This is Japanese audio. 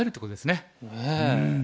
ねえ。